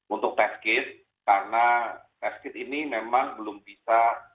untuk test kit karena test kit ini memang belum bisa